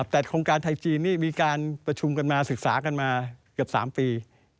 แต่โครงการไทยจีนนี่มีการประชุมกันมาศึกษากันมาเกือบ๓ปี